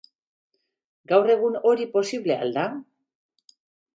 Gaur egun hori posible al da?